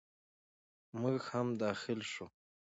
موږ هم داخل شوو.